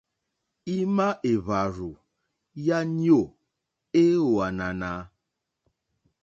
Ima èhvàrzù ya nyoò e ò ànànà?